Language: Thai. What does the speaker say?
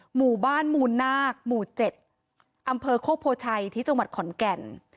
หมู่บ้านมูลนาคหมู่๗อำเภอโคกโพชัยที่จังหวัดขอนแก่น